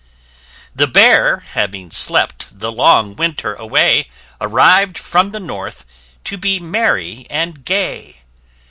_] The Bear having slept the long winter away, [p 7] Arriv'd, from the north, to be merry and gay.